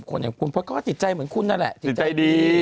คนอย่างคุณพลดก็ติดใจเหมือนคุณนั่นแหละติดใจดี